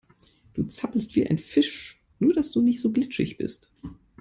Du zappelst wie ein Fisch, nur dass du nicht so glitschig bist.